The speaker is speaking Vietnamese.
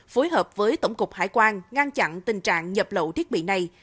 phối hợp với tổng cục hải quan ngăn chặn tình trạng nhập lậu thiết bị này